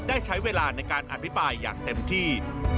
ได้ใช้เวลาในการอภิปรายอย่างเต็มที่